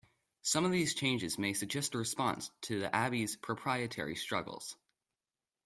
Some of these changes may suggest a response to the abbey's proprietary struggles.